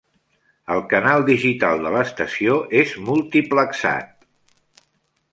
El canal digital de l'estació és multiplexat.